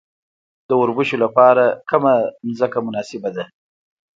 د وربشو لپاره کومه ځمکه مناسبه ده؟